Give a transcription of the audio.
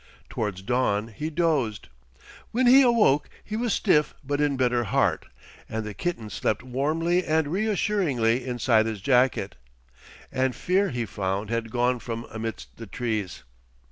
Towards dawn he dozed. When he awoke, he was stiff but in better heart, and the kitten slept warmly and reassuringly inside his jacket. And fear, he found, had gone from amidst the trees.